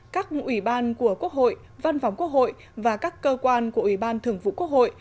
các ủy ban của quốc hội văn phòng quốc hội và các cơ quan của ủy ban thường vụ quốc hội